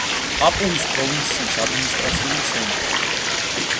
პაპუის პროვინციის ადმინისტრაციული ცენტრი.